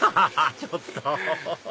ちょっと！